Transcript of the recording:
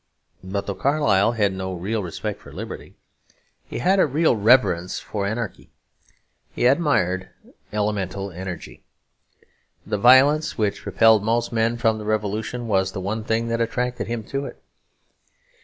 But though Carlyle had no real respect for liberty, he had a real reverence for anarchy. He admired elemental energy. The violence which repelled most men from the Revolution was the one thing that attracted him to it.